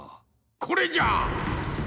これじゃ！